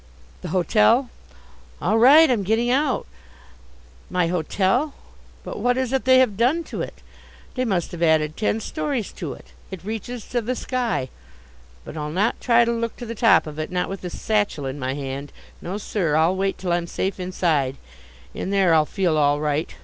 The hotel? All right, I'm getting out. My hotel? But what is it they have done to it? They must have added ten stories to it. It reaches to the sky. But I'll not try to look to the top of it. Not with this satchel in my hand: no, sir! I'll wait till I'm safe inside. In there I'll feel all right.